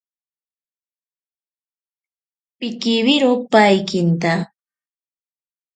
Pikiwiro paikinta.